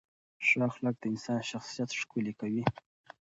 ښه اخلاق د انسان شخصیت ښکلي کوي.